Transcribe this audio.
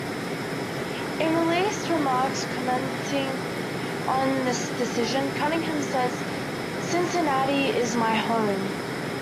In released remarks commenting on his decision, Cunningham said, Cincinnati is my home.